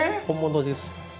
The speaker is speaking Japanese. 本物です。